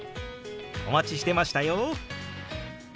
お待ちしてましたよ！